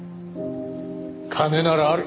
金ならある。